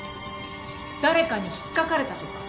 誰かに引っかかれたとか？